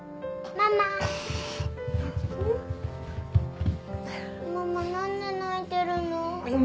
ママなんで泣いてるの？